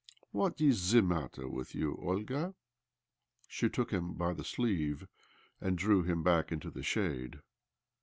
What is the matter with you, Olga?" She took him by the sleeve and drew him back into the shade.